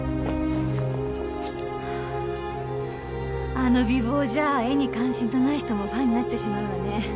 あの美貌じゃ絵に関心のない人もファンになってしまうわね。